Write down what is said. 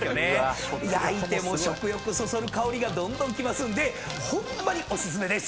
焼いても食欲そそる香りがどんどんきますんでホンマにお薦めです。